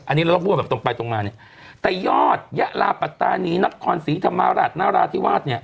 อันนี้เราต้องพูดแบบตรงไปตรงมาเนี่ยแต่ยอดยะลาปัตตานีนครศรีธรรมราชนราธิวาสเนี่ย